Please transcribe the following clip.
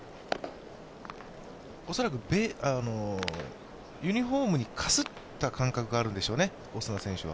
恐らくユニフォームにかすった感覚があるんでしょうね、オスナ選手は。